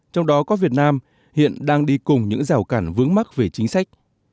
trong đó có việt nam hiện đang đi cùng những rào cản vướng mắc về chính sách